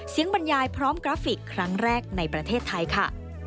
บรรยายพร้อมกราฟิกครั้งแรกในประเทศไทยค่ะ